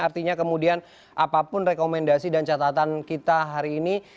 artinya kemudian apapun rekomendasi dan catatan kita hari ini